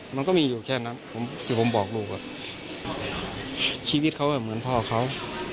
มันก็มีอยู่แค่นั้นที่ผมบอกลูกชีวิตเขาเหมือนพ่อเขา